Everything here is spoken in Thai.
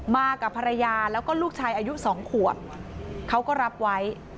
มากับภรรยาแล้วก็ลูกชายอายุ๒ขวบเขาก็รับไว้